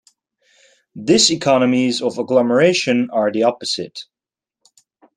Diseconomies of agglomeration are the opposite.